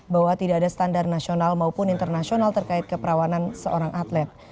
bahwa tidak ada standar nasional maupun internasional terkait keperawanan seorang atlet